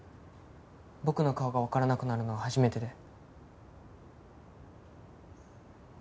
僕の顔がわからなくなるのは初めてで。